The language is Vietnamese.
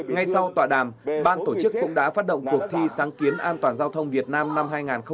ngay sau tọa đàm ban tổ chức cũng đã phát động cuộc thi sáng kiến an toàn giao thông việt nam năm hai nghìn hai mươi